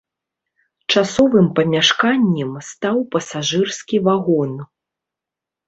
Часовым памяшканнем стаў пасажырскі вагон.